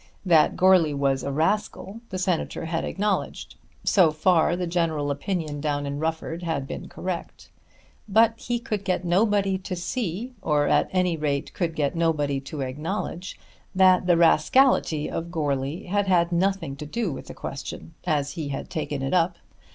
That Goarly was a rascal the Senator had acknowledged. So far the general opinion down in Rufford had been correct. But he could get nobody to see, or at any rate could get nobody to acknowledge, that the rascality of Goarly had had nothing to do with the question as he had taken it up.